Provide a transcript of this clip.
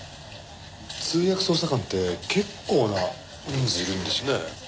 通訳捜査官って結構な人数いるんですね。